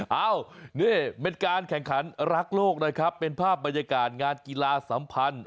เอ้านี่เป็นการแข่งขันรักโลกนะครับเป็นภาพบรรยากาศงานกีฬาสัมพันธ์